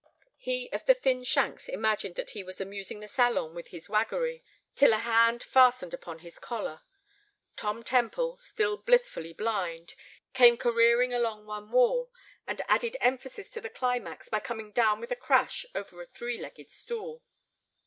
He of the thin shanks imagined that he was amusing the salon with his waggery till a hand fastened upon his collar. Tom Temple, still blissfully blind, came careering along one wall, and added emphasis to the climax by coming down with a crash over a three legged stool.